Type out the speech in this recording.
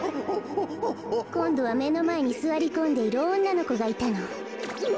こんどはめのまえにすわりこんでいるおんなのこがいたの。